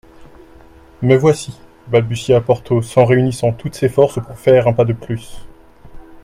Me voici, balbutia Porthos en réunissant toutes ses forces pour faire un pas de plus.